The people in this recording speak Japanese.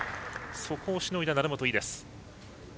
そこをしのいだ、成本、井です。